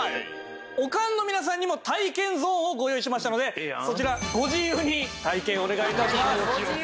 おかんの皆さんにも体験ゾーンをご用意しましたのでそちらご自由に体験お願い致します。